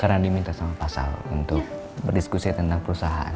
karena diminta sama pasal untuk berdiskusi tentang perusahaan